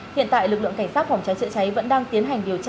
hiện tại lực lượng cảnh sát phòng cháy chữa cháy vẫn đang tiến hành điều tra